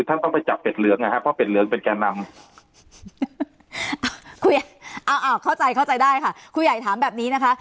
อ่าอะเข้าใจเข้าใจได้ค่ะคุณใหญ่ถามแบบนี้นะคะ